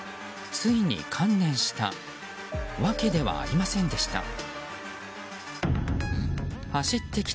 ついに観念したわけではありませんでした。